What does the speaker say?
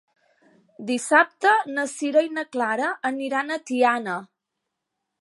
Dissabte na Sira i na Clara aniran a Tiana.